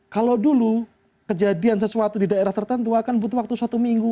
kalau dulu kejadian sesuatu di daerah tertentu akan butuh waktu satu minggu